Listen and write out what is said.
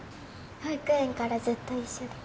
保育園からずっと一緒で。